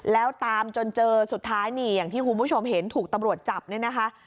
แล้วตามจนเจอสุดท้ายนี่อย่างที่คุณผู้ชมเห็นถูกตำรวจจับเนี่ยนะคะ